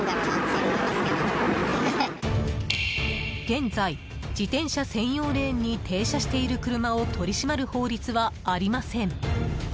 現在、自転車専用レーンに停車している車を取り締まる法律はありません。